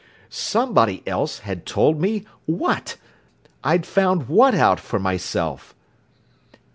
"Somebody else had told me what? I'd found what out for myself?"